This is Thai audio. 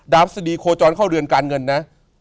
ดาวสุดีโคจรเข้าเรือนการเงินนะ